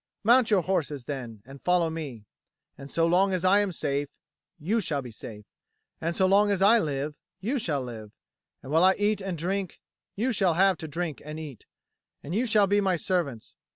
Mount your horses, then, and follow me. And so long as I am safe, you shall be safe; and so long as I live, you shall live; and while I eat and drink, you shall have to drink and eat; and you shall be my servants.